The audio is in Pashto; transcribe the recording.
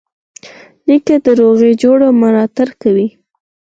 نیکه د روغي جوړې ملاتړ کوي.